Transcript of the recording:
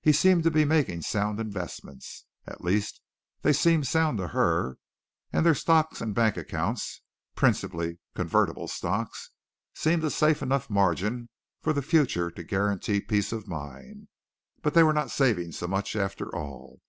He seemed to be making sound investments at least, they seemed sound to her, and their stocks and bank accounts, principally convertible stocks, seemed a safe enough margin for the future to guarantee peace of mind, but they were not saving so much, after all.